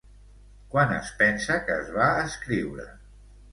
Quan es pensa que es va escriure?